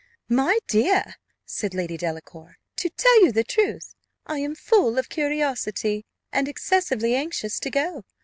"My dear," said Lady Delacour, "to tell you the truth, I am full of curiosity, and excessively anxious to go.